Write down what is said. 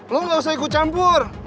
lo gak usah ikut campur